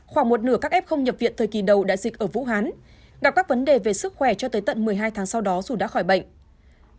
khoảng một nửa các em không nhập viện thời kỳ đầu đại dịch ở vũ hán gặp các vấn đề về sức khỏe cho tới tận một mươi hai tháng sau đó dù đã khỏi bệnh